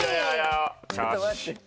ちょっと待って。